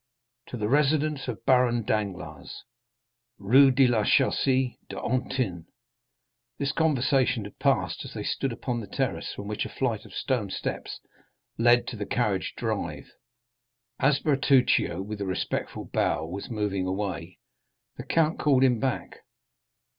"To the residence of Baron Danglars, Rue de la Chaussée d'Antin." This conversation had passed as they stood upon the terrace, from which a flight of stone steps led to the carriage drive. As Bertuccio, with a respectful bow, was moving away, the count called him back.